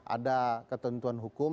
ada ketentuan hukum